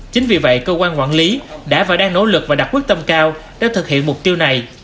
chính vì vậy cơ quan quản lý đã và đang nỗ lực và đặc quyết tâm cao để thực hiện mục tiêu này